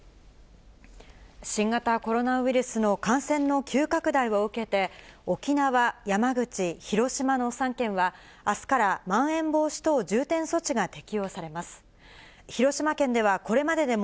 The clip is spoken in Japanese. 新型コロナウイルスの感染の急拡大を受けて、沖縄、山口、広島の３県は、あすから、まん延防止等重点措置が適用されます。